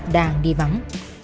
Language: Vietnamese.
đang đi vắng